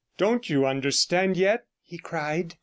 'Don't you understand yet?' he cried.